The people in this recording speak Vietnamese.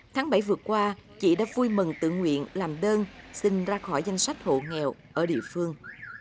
tháng bảy vừa qua chị đã vui mừng tự nguyện làm đơn xin ra khỏi danh sách hộ nghèo ở địa phương